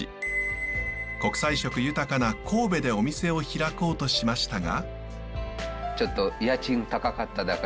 国際色豊かな神戸でお店を開こうとしましたが。